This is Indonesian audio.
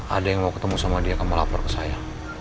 ada yang mau ketemu sama dia kamu lapor ke saya